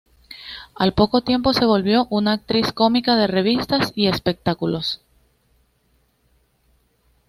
Al poco tiempo se volvió una actriz cómica de revistas y espectáculos.